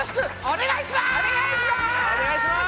お願いします！